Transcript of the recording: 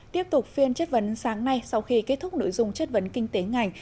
tiếp tục phiên chất vấn sáng nay sau khi kết thúc nội dung chất vấn kinh tế ngành